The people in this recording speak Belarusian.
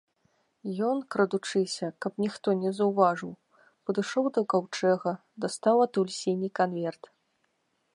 Ён, крадучыся, каб ніхто не заўважыў, падышоў да каўчэга, дастаў адтуль сіні канверт.